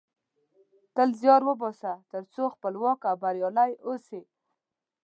تل زیار وباسه ترڅو خپلواک او بریالۍ اوسی